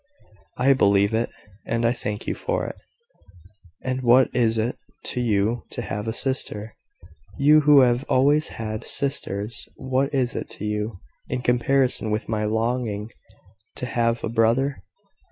"I believe it, and I thank you for it." "And what is it to you to have a sister you who have always had sisters what is it to you, in comparison with my longing to have a brother?